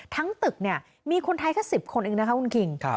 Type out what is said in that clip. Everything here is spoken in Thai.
ทั้งตึกเนี่ยมีคนไทยแค่๑๐คนอีกนะครับครับคุณกิ่ง